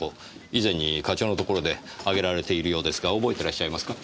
以前に課長のところで挙げられているようですが覚えてらっしゃいますか？